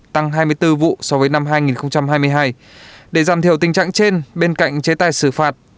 tăng hai mươi bốn vụ so với năm hai nghìn hai mươi hai để giảm thiểu tình trạng trên bên cạnh chế tài xử phạt